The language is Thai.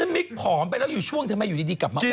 มิกผอมไปแล้วอยู่ช่วงทำไมอยู่ดีกลับมาอ้อ